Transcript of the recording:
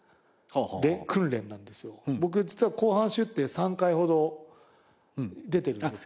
僕実は公判出廷３回ほど出ているんですけど。